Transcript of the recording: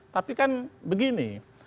tapi kan begini